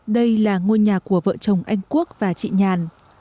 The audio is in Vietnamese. đây là ngôi nhà của vợ chồng anh quốc và chị nhàn